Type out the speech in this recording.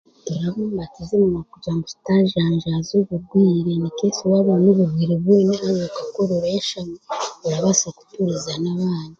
Turabumbatiza eminwa kugira ngu tutaajanjaaja oburwaire in case waaba orwaire okakorora oyashami orabaasa kuturiza n'abandi.